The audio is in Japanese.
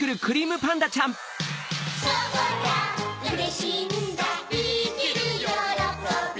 そうだうれしいんだいきるよろこび